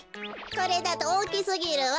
これだとおおきすぎるわ。